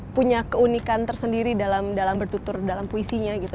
punya keunikan tersendiri dalam bertutur dalam puisinya gitu